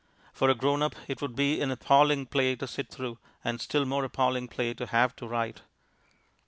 For a grown up it would be an appalling play to sit through, and still more appalling play to have to write.